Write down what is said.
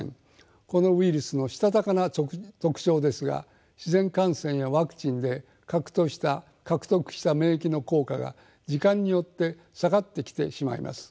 このウイルスのしたたかな特徴ですが自然感染やワクチンで獲得した免疫の効果が時間によって下がってきてしまいます。